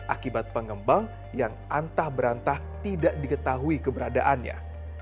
akibat pengembang yang antah berantah tidak diketahui keberadaannya